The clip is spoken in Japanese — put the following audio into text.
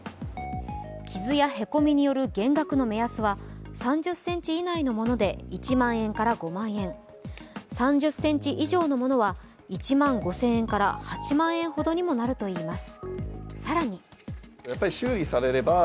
傷やへこみによる減額の目安は３０ｃｍ以内のもので１万円から５万円、３０ｃｍ以上のものは１万５０００円から８万円ほどにもなるといいます。